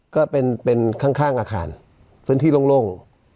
ก็เป็นข้างอาคารพื้นที่โล่ง